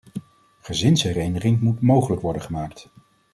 Gezinshereniging moet mogelijk worden gemaakt.